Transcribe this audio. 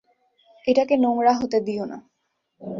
এটাকে নোংরা হতে দিও না।